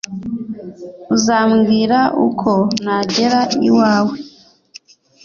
Uzambwira uko nagera iwawe?